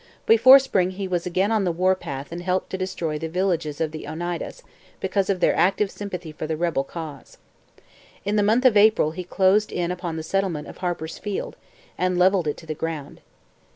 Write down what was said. Before spring he was again on the war path and helped to destroy the villages of the Oneidas, because of their active sympathy for the rebel cause. In the month of April he closed in upon the settlement of Harpersfield and levelled it to the ground.